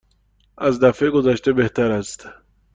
از دفعه گذشته بهتر است.